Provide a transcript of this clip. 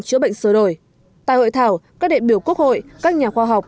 chữa bệnh sơ đổi tại hội thảo các đại biểu quốc hội các nhà khoa học